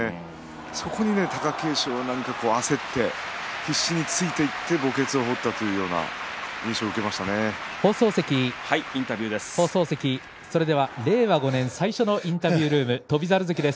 そこに貴景勝は焦って必死についていって墓穴を取ったというような印象をそれでは令和５年最初のインタビュールーム翔猿関です。